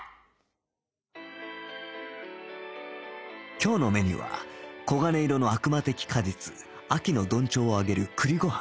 今日のメニューは黄金色の悪魔的果実秋の緞帳を上げる栗ご飯